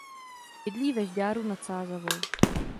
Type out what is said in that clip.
Bydlí ve Žďáru nad Sázavou.